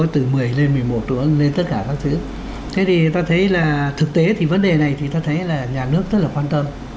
thực tế thì vấn đề này thì ta thấy là nhà nước rất là quan tâm